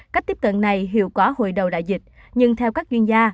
cách tiếp cận này hiệu quả hồi đầu đại dịch nhưng theo các chuyên gia